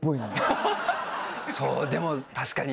そうでも確かに。